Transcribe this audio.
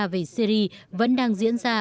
về syri vẫn đang diễn ra